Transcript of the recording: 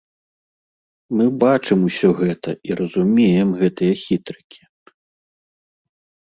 Мы бачым усё гэта і разумеем гэтыя хітрыкі.